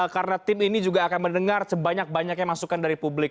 karena tim ini juga akan mendengar sebanyak banyaknya masukan dari publik